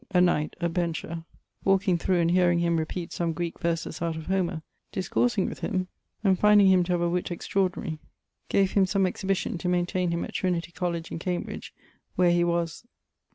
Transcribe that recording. a knight, a bencher, walking thro' and hearing him repeat some Greeke verses out of Homer, discoursing with him, and finding him to have a witt extraordinary, gave him some exhibition to maintaine him at Trinity college in Cambridge, where he was